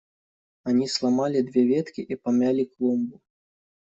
Они сломали две ветки и помяли клумбу.